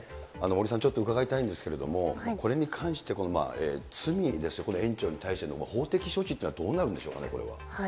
森さんちょっとお伺いしたいんですけど、これに関して罪ですよ、この園長に対しての、法的処置というのはどうなるんでしょうかね、これは。